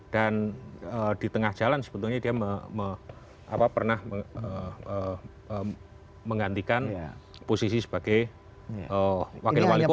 dan di tengah jalan sebetulnya dia pernah menggantikan posisi sebagai wakil wali kota